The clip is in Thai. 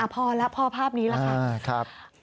พอแล้วพอภาพนี้แหละค่ะ